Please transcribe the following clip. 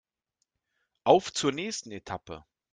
Auf zur nächsten Etappe!